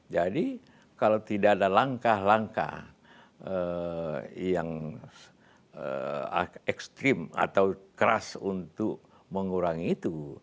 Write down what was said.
jadi kalau tidak ada langkah langkah yang ekstrim atau keras untuk mengurangi itu